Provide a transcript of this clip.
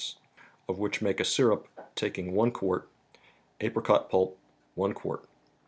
Of which make a syrup, taking one quart; Apricot pulp, one quart.